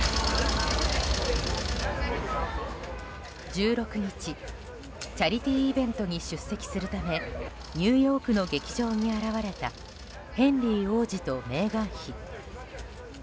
１６日チャリティーイベントに出席するためニューヨークの劇場に現れたヘンリー王子とメーガン妃。